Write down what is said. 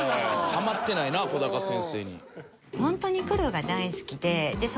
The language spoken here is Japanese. はまってないな小高先生に。